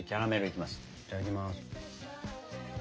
いただきます。